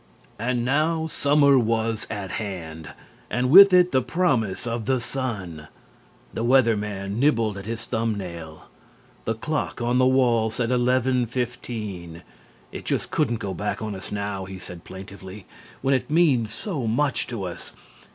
And now summer was at hand, and with it the promise of the sun. The Weather Man nibbled at his thumb nail. The clock on the wall said 11:15. "It just couldn't go back on us now," he said, plaintively, "when it means so much to us.